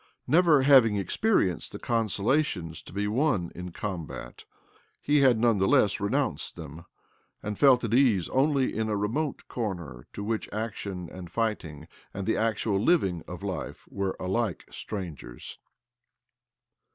Never having experienced the consolations to be won 'm combat, he had none the less renounced them, and felt at ease only in a remote corner to which action and fighting and the actual living of life were alike strangers.